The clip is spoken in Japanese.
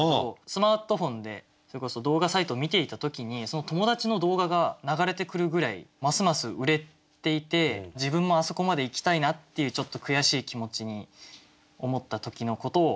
スマートフォンでそれこそ動画サイトを見ていた時にその友達の動画が流れてくるぐらいますます売れていて自分もあそこまで行きたいなっていうちょっと悔しい気持ちに思った時のことを。